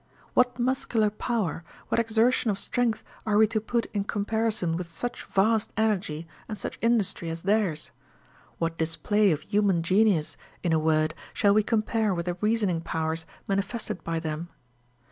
What muscular power, what exertion of strength are we to put in comparison with such vast energy and such industry as theirs ? What dis play of human genius, in a word, shall we compare with the reasoning powers manifested by them